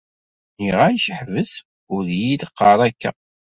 Nniɣ-ak ḥbes ur iyi-d-ɣɣar akka.